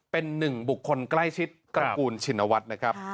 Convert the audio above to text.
เป็นหนึ่งบุคคลใกล้ชิดตระกูลชินวัฒน์นะครับ